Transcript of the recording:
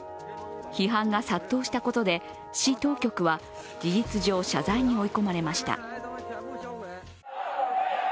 批判が殺到したことで市当局は事実上、謝罪に追い込まれました。